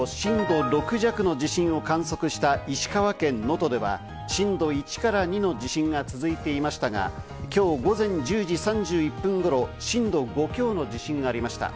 昨日午後、震度６弱の地震を観測した石川県能登では震度１から２の地震が続いていましたが、今日午前１０時３１分頃、震度５強の地震がありました。